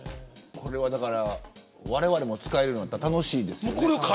われわれも使えようになったら楽しいですよね。